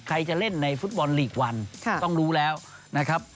ใครจะเล่นในฟุตบอลลีกวันต้องรู้แล้วนะครับ